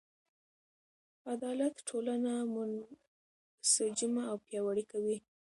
عدالت ټولنه منسجمه او پیاوړې کوي.